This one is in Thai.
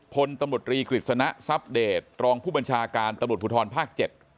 พลตำรวจรีกฤษณะทรัพเดตรองผู้บัญชาการตำรวจภูทรภาค๗